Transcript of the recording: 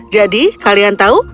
jadi kalian tahu